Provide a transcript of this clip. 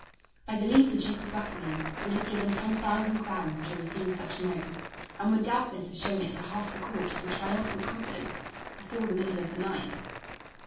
I believe the Duke of Buckingham would have given ten thousand crowns to receive such a note, and would doubtless have shown it to half the court in triumphant confidence before the middle of the night.